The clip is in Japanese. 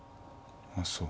あっそう。